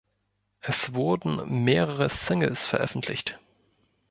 Es wurden mehrere Singles veröffentlicht.